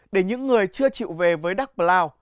để những người chưa chịu về với đắk lào